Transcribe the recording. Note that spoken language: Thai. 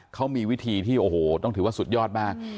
เขามีวิธีที่โอ้โหต้องถือว่าสุดยอดมาก